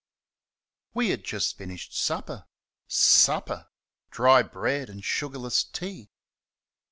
We had just finished supper. Supper! dry bread and sugarless tea.